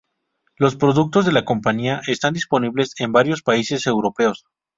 Los productos de la compañía están disponibles en varios países europeos.